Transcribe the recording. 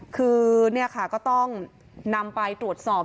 คือเนี่ยค่ะก็ต้องนำไปตรวจสอบ